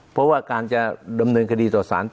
เพราะว่าการจะดำเนินคดีต่อสารต่อ